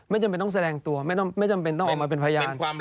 จำเป็นต้องแสดงตัวไม่จำเป็นต้องออกมาเป็นพยาน